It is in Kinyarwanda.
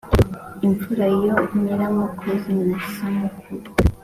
imfura yo nyiramukozi na samukuru